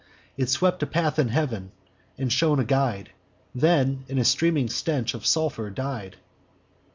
It swept a path in heav'n, and shone a guide, Then in a steaming stench of sulphur died.